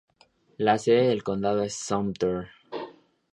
La sede del condado es Sumter.